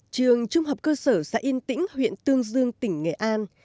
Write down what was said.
trường trung học cơ sở xã yên tĩnh huyện tương dương tỉnh nghệ an